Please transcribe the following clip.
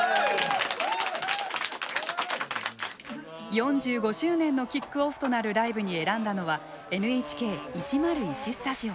４５周年のキックオフとなるライブに選んだのはＮＨＫ１０１スタジオ。